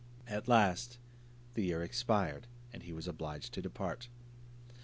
At last the year expired, and he was obliged to depart.